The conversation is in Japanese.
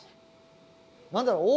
何だろう